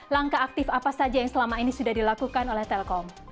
langkah aktif apa saja yang selama ini sudah dilakukan oleh telkom